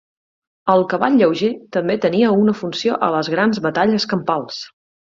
El cavall lleuger també tenia una funció a les grans batalles campals.